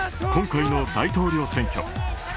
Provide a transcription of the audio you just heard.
今回の大統領選挙。